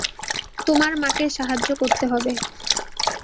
তোমার মাকে সাহায্য করতে হবে।